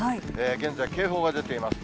現在、警報が出ています。